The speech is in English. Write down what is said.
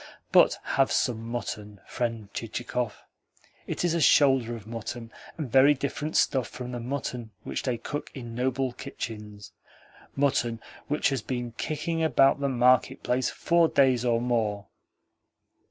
But have some mutton, friend Chichikov. It is shoulder of mutton, and very different stuff from the mutton which they cook in noble kitchens mutton which has been kicking about the market place four days or more.